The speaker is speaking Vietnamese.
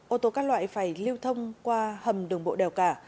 ô tô các loại phải lưu thông qua hầm đường bộ đèo cả